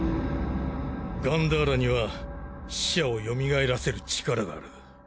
ガンダーラには死者をよみがえらせる力がある。